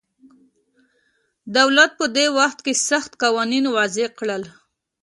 دولت په دې وخت کې سخت قوانین وضع کړل